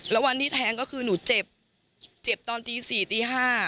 แล้ววันที่แทงก็คือหนูเจ็บเจ็บตอนตี๔ตี๕